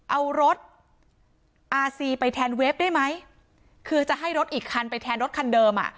เอารถอาซีไปแทนเวฟได้ไหมคือจะให้รถอีกคันไปแทนรถคันเดิมอ่ะ